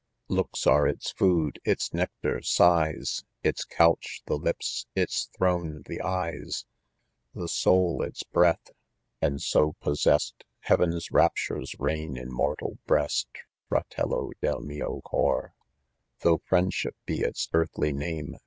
Looks are its food, its nectar sighs, Its couch the lips, its throne the eyes. The soul its "breath, and so pbssest Heaven's raptures reign, in mortal breast, Fraiello del mio cor, Though friendship he its earthly name.